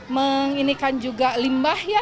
mengunikan juga limbah